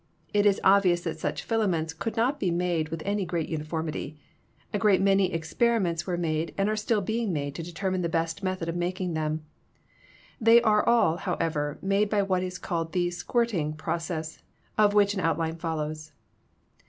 It is obvious that such filaments could not be made with any great uniformity. A great many experi ments were made and are still being made to determine the best method of making them. They are all, however, made by what is called the "squirting" process, of which an outline follows.